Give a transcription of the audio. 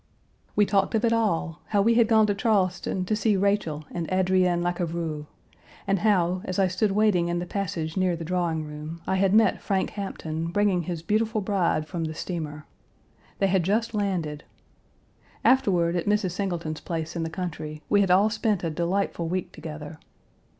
We talked of it all how we had gone to Charleston to see Rachel in Adrienne Lecouvreur, and how, as I stood waiting in the passage near the drawing room, I had met Frank Hampton bringing his beautiful bride from the steamer. They had just landed. Afterward at Mrs. Singleton's place in the country we had all spent a delightful week together.